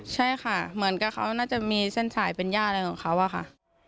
ใช่ค่ะเหมือนกับเขาน่าจะมีเส้นฉายเป็นย่าอะไรของเขาอะค่ะ